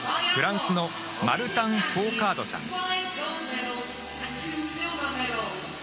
フランスのマルタン・フォーカードさん。